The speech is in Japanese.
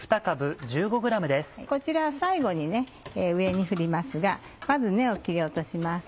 こちらは最後に上に振りますがまず根を切り落とします。